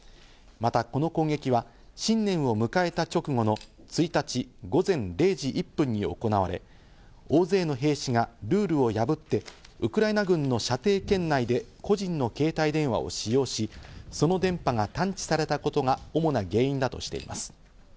またこの攻撃は新年を迎えた直後の１日午前０時１分に行われ、大勢の兵士がルールを破ってウクライナ軍の射程圏内で個人の携帯電話を使用し、その電波が探知されたことが主な原因だとしています。